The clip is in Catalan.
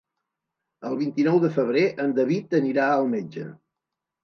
El vint-i-nou de febrer en David anirà al metge.